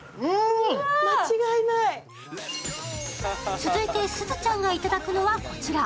続いて、すずちゃんがいただくのは、こちら。